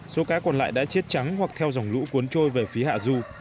số cá còn lại đã chết trắng hoặc theo dòng lũ cuốn trôi về phía hạ du